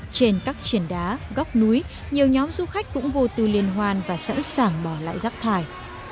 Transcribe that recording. trên các triển đá góc núi nhiều nhóm du khách cũng vô tư liên hoan và sẵn sàng bỏ lại rác thải